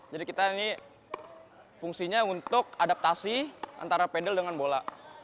jadi fungsinya untuk adaptasi antara pedal dengan bola